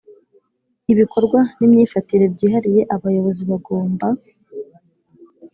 Ibikorwa n imyifatire byihariye abayobozi bagomba